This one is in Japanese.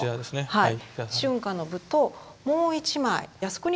はい。